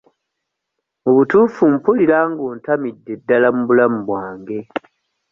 Mu butuufu mpulira nga ontamidde ddala mu bulamu bwange.